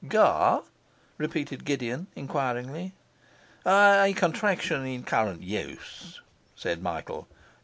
'Ga.?' repeated Gideon enquiringly. 'A contraction in current use,' said Michael.